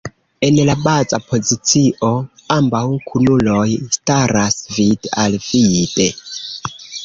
En la baza pozicio ambaŭ kunuloj staras vid-al-vide.